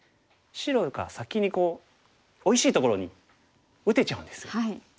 白が先においしいところに打てちゃうんですよ。